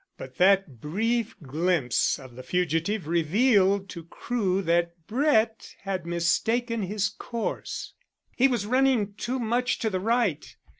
But that brief glimpse of the fugitive revealed to Crewe that Brett had mistaken his course: he was running too much to the right.